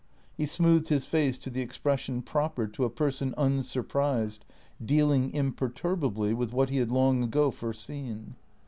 He smoothed his face to the expression proper to a person unsurprised, dealing imperturbably with what he had long ago foreseen.